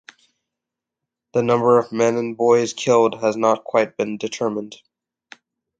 The number of men and boys killed has not quite been determined.